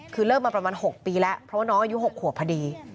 คือเลิกมาประมาณ๖ปีแล้วเพราะว่าน้องอายุ๖ขวบพอดี